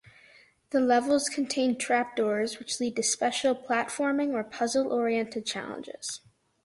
The levels contain trapdoors, which lead to special platforming or puzzle-oriented challenges.